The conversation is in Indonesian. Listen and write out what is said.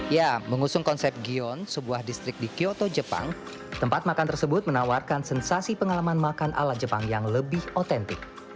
ya mengusung konsep gion sebuah distrik di kyoto jepang tempat makan tersebut menawarkan sensasi pengalaman makan ala jepang yang lebih otentik